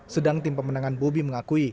sedang tim pemenangan bobi mengakui